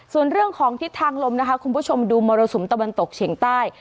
ส่วนเรื่องของทิศทางลมนะคะคุณผู้ชมดูมรสุมตะวันตกเฉียงใต้